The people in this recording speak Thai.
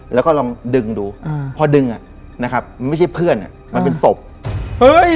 แล้วก็ลองดึงดูอ่าพอดึงอ่ะนะครับไม่ใช่เพื่อนอ่ะมันเป็นศพเฮ้ย